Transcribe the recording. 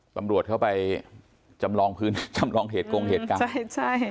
ตำรวจเข้าไปจำลองพื้นจำลองเหตุกงเหตุการณ์ใช่ใช่